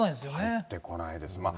入ってこないです。